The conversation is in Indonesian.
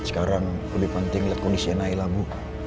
sekarang lebih penting lihat kondisi naila bu